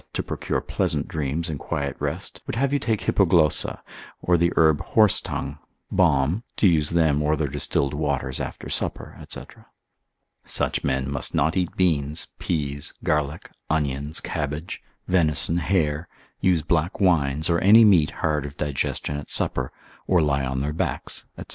6. to procure pleasant dreams and quiet rest, would have you take hippoglossa, or the herb horsetongue, balm, to use them or their distilled waters after supper, &c. Such men must not eat beans, peas, garlic, onions, cabbage, venison, hare, use black wines, or any meat hard of digestion at supper, or lie on their backs, &c.